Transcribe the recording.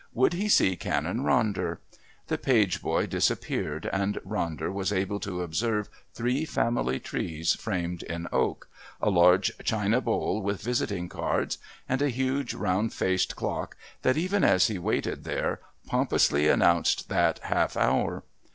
Would he see Canon Ronder? The page boy disappeared and Ronder was able to observe three family trees framed in oak, a large china bowl with visiting cards, and a huge round faced clock that, even as he waited there, pompously announced that half hour.